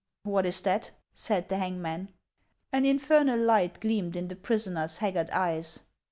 " What is that ?" said the hangman. An infernal light gleamed in the prisoner's haggard eyes.